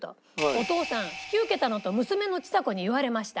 「“お父さん引き受けたの？”と娘のちさ子に言われました」